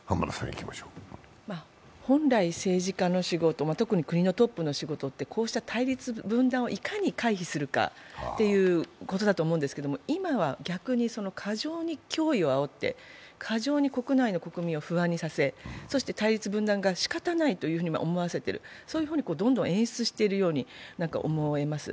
本来、政治家の仕事、国のトップの仕事ってこうした対立、分断をいかに回避するかということだと思うんですけれども今は逆に過剰に脅威をあおって過剰に国内の国民を不安にさせ対立は仕方ないというふうに思わせている、そういうふうにどんどん演出しているように思えます。